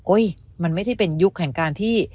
โอ้ยมันไม่เป็นยุคแห่งการที่